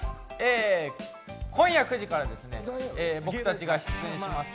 今夜９時から、僕たちが出演します